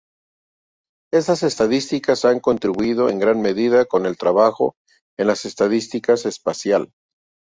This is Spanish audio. Estas estadísticas han contribuido en gran medida con el trabajo en la estadística espacial.